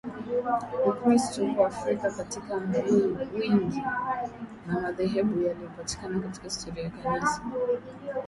Ukristo uko Afrika katika wingi wa madhehebu yaliyopatikana katika historia ya Kanisa